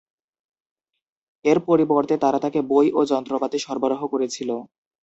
এর পরিবর্তে, তারা তাকে বই ও যন্ত্রপাতি সরবরাহ করেছিল।